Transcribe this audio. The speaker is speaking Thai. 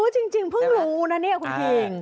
จริงเพิ่งรู้นะเนี่ยคุณคิง